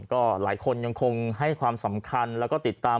ก็หลายคนยังคงให้ความสำคัญแล้วก็ติดตาม